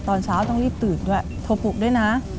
ตอนเช้าต้องรีบตื่นด้วยโทรปลูกด้วยนะ